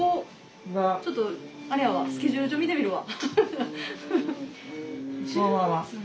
ちょっとあれやわスケジュール帳見てみるわ。